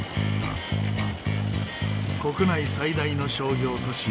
国内最大の商業都市